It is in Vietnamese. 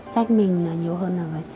trách mình là nhiều hơn là